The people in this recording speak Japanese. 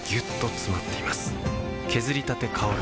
削りたて香る